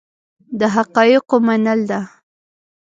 د حقایقو منل ده.